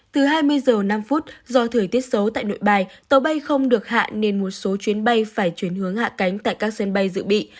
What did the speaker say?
từ hai mươi h năm do thời tiết xấu tại nội bài tàu bay không được hạ nên một số chuyến bay phải chuyển hướng hạ cánh tại các sân bay dự bị